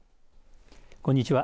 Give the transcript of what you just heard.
こんにちは。